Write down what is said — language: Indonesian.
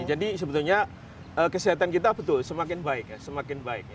jadi sebetulnya kesehatan kita betul semakin baik ya semakin baik